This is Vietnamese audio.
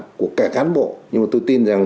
cái kết quả của cả cán bộ nhưng mà tôi tin rằng